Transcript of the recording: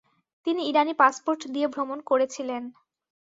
তিনি ইরানি পাসপোর্ট দিয়ে ভ্রমণ করেছিলেন।